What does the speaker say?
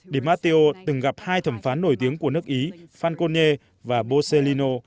di matteo từng gặp hai thẩm phán nổi tiếng của nước ý fancone và bocellino